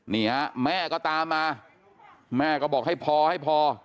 นี่ฮะแม่ก็ตามมาแม่ก็บอกให้พอให้พอ